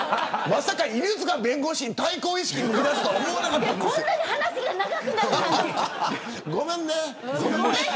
まさか犬塚弁護士に対抗意識を燃やすと思わなかったです。